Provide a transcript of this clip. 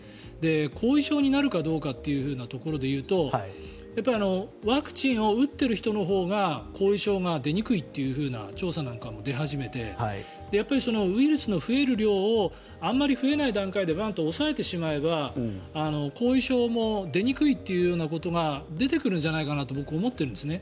後遺症になるかどうかってところでいうとワクチンを打ってる人のほうが後遺症が出にくいっていう調査なんかも出始めてやっぱりウイルスの増える量をあまり増えない段階でばんと抑えてしまえば後遺症も出にくいということが出てくるんじゃないかと僕、思ってるんですね。